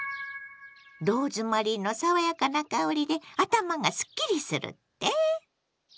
「ローズマリーの爽やかな香りで頭がすっきりする」って？